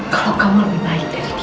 kalau kamu lebih baik dari dia